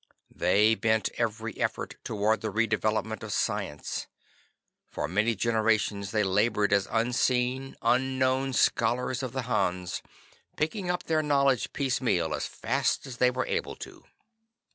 They bent every effort toward the redevelopment of science. For many generations they labored as unseen, unknown scholars of the Hans, picking up their knowledge piecemeal, as fast as they were able to.